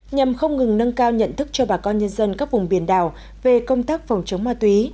nhằm không ngừng nâng cao nhận thức cho bà con nhân dân các vùng biển đảo về công tác phòng chống ma túy